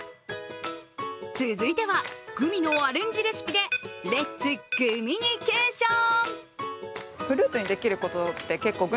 続いては、グミのアレンジレシピでレッツ、グミニケーション！